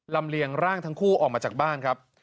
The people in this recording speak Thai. เลียงร่างทั้งคู่ออกมาจากบ้านครับ